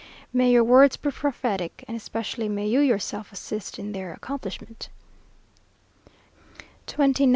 "_ May your words be prophetic, and especially may you yourself assist in their accomplishment. 29th.